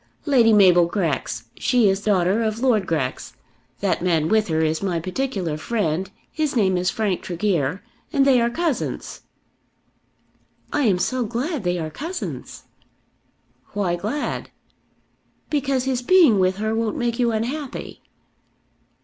"Lady Mabel Grex. She is daughter of Lord Grex. That man with her is my particular friend. His name is Frank Tregear, and they are cousins." "I am so glad they are cousins." "Why glad?" "Because his being with her won't make you unhappy."